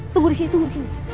tunggu di sini tunggu di sini